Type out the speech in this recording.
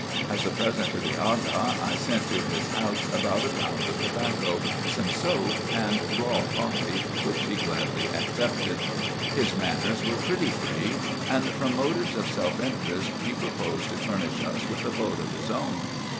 As a present to the Aga, I sent to his house about a pound of tobacco, some soap and raw coffee, which he gladly accepted. His manners were pretty free ; and, from motives of self interest, he proposed to furnish us with a boat of his own.